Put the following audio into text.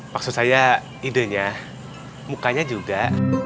maksud saya idenya mukanya juga